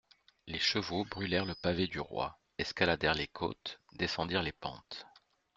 Les chevaux brûlèrent le pavé du Roi, escaladèrent les côtes, descendirent les pentes.